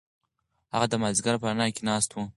هغه د مازیګر په رڼا کې ناسته وه.